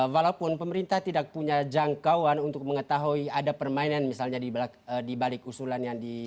walaupun pemerintah tidak punya jangkauan untuk mengetahui ada permainan misalnya di balik usulan yang di